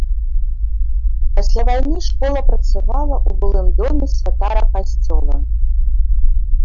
Пасля вайны школа працавала ў былым доме святара касцёла.